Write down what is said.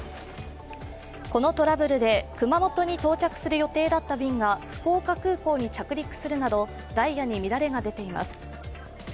このトラブルで熊本に到着する予定だった便が福岡空港に着陸するなどダイヤに乱れが出ています。